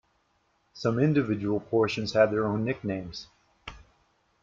Some individual portions had their own nicknames.